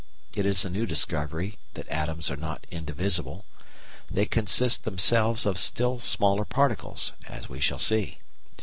It is a new discovery that atoms are not indivisible. They consist themselves of still smaller particles, as we shall see.